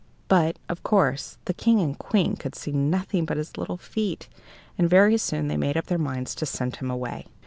But, of course, the King and Queen could see nothing but his little feet, and very soon they made up their minds to send him away.